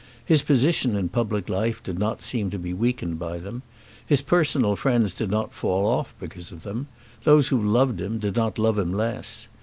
His position in public life did not seem to be weakened by them. His personal friends did not fall off because of them. Those who loved him did not love him less.